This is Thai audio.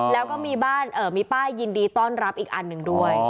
แล้วก็มีบ้านมีป้ายยินดีต้อนรับอีกอันหนึ่งด้วย